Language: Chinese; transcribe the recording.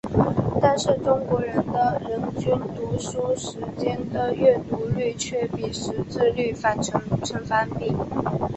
但是中国的人均读书时间的阅读率却与识字率呈反比。